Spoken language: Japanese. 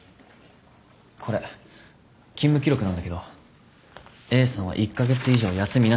これ勤務記録なんだけどＡさんは１カ月以上休みなしで長時間労働している。